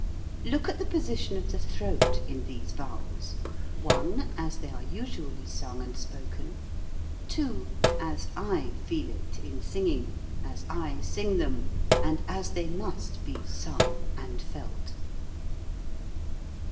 Look at the position of the throat in these vowels: (1) as they are usually sung and spoken; (2) as I feel it, in singing, as I sing them, and as they must be sung and felt.